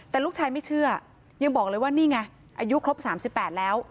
แต่ลูกชายไม่เชื่อยังบอกเลยว่านี่ไงอายุครบ๓๘แล้ว